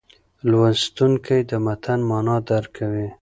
لوستونکی د متن معنا درک کوي.